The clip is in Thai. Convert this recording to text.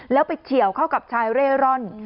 แล้วไปเฉียวเข้ากับชายเร่ร่อน